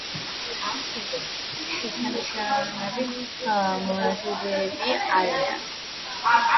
ასევე შესანიშნავი მონადირეები არიან.